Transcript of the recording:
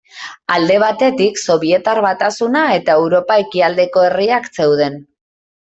Alde batetik Sobietar Batasuna eta Europa ekialdeko herriak zeuden.